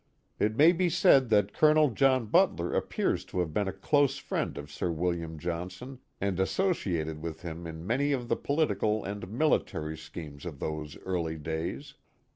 It may be said that Colonel John Butler appears to have been a close friend of Sir William Johnson, and associated with him in many of the political and military schemes of those early days.